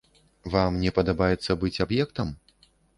Вам не падабаецца быць аб'ектам?